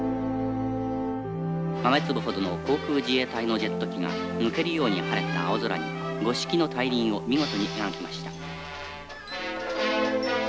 「豆粒ほどの航空自衛隊のジェット機が抜けるように晴れた青空に５色の大輪を見事に描きました」。